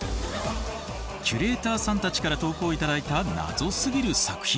キュレーターさんたちから投稿頂いたナゾすぎる作品。